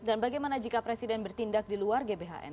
dan bagaimana jika presiden bertindak di luar gbhn